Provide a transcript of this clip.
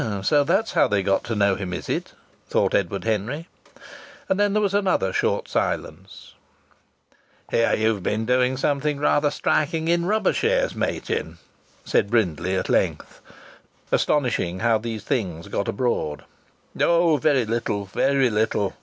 "So that's how they got to know him, is it?" thought Edward Henry. And then there was another short silence. "Hear you've been doing something striking in rubber shares, Machin?" said Brindley at length. Astonishing how these things got abroad! "Oh! very little, very little!"